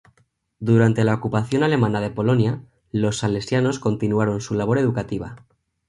Durante la ocupación alemana de Polonia los salesianos continuaron su labor educativa.